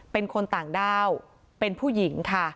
เป็นคนต่างด้าวเป็นผู้หญิงค่ะ